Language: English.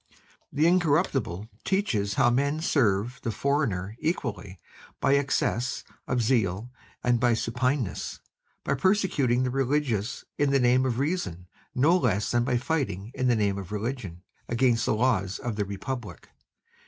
The Incorruptible teaches how men serve the foreigner equally by excess of zeal and by supineness, by persecuting the religious in the name of reason no less than by fighting in the name of religion against the laws of the Republic.